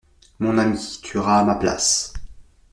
Mon ami, tu iras à ma place.